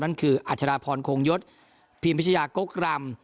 นั่นคืออัชราพรโคงยศพีมพิชยากกรำ